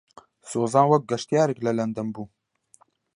سۆزان وەک گەشتیارێک لە لەندەن بوو.